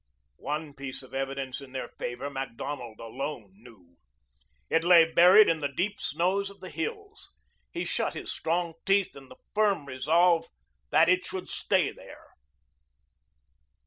One piece of evidence in their favor Macdonald alone knew. It lay buried in the deep snows of the hills. He shut his strong teeth in the firm resolve that it should stay there.